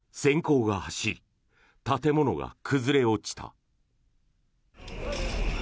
その瞬間、閃光が走り建物が崩れ落ちた。